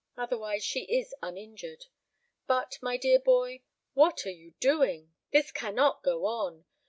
Otherwise she is uninjured. But, my dear boy, what are you doing? This cannot go on.